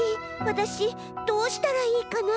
わたしどうしたらいいかな？